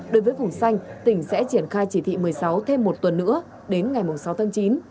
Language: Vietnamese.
đối với vùng xanh tỉnh sẽ triển khai chỉ thị một mươi sáu thêm một tuần nữa đến ngày sáu tháng chín